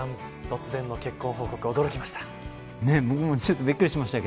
突然の結婚報告、驚きました。